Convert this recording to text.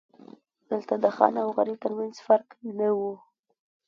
دلته د خان او غریب ترمنځ فرق نه و.